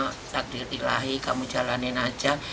takdir ilahi kamu jalanin aja